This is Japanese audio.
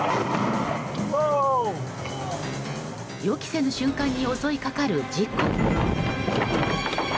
予期せぬ瞬間に襲いかかる事故。